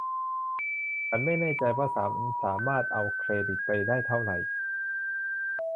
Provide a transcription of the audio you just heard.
ฉันไม่แน่ใจว่าฉันสามารถเอาเครดิตไปได้เท่าไหร่